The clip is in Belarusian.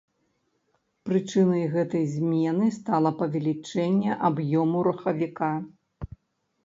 Прычынай гэтай змены стала павелічэнне аб'ёму рухавіка.